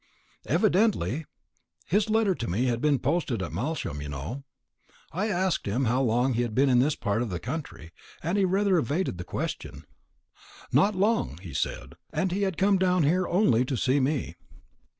"Evidently. His letter to me had been posted at Malsham, you know. I asked him how long he had been in this part of the country, and he rather evaded the question. Not long, he said; and he had come down here only to see me.